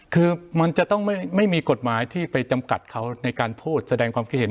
คือมันจะต้องไม่มีกฎหมายที่ไปจำกัดเขาในการพูดแสดงความคิดเห็น